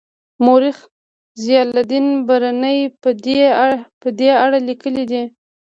مورخ ضیاالدین برني په دې اړه لیکلي دي.